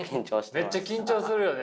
めっちゃ緊張するよね。